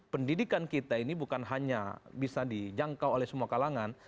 pendidikan kita ini bukan hanya bisa dijangkau oleh semua kalangan